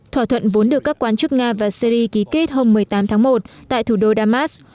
thỏa thuận vốn được các quan chức nga và syri ký kết hôm một mươi tám tháng một tại thủ đô damas